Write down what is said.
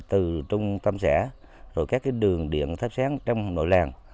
từ trung tâm xã rồi các đường điện thắp sáng trong nội làng